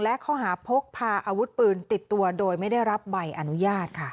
และข้อหาพกพาอาวุธปืนติดตัวโดยไม่ได้รับใบอนุญาตค่ะ